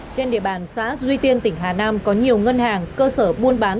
trên địa bàn xã duy tiên tỉnh hà nam có nhiều ngân hàng cơ sở buôn bán